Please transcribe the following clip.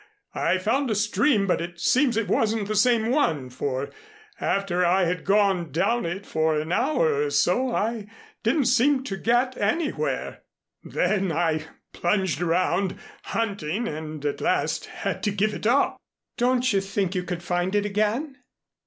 I found a stream but it seems it wasn't the same one, for after I had gone down it for an hour or so I didn't seem to get anywhere. Then I plunged around hunting and at last had to give it up." "Don't you think you could find it again?"